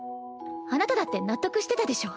あなただって納得してたでしょ。